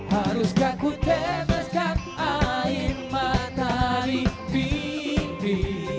haruskah ku tembaskan air matahari pipi